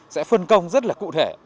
sẽ phân công rất là cụ thể